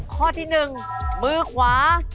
ข้อที่หนึ่งมือขวา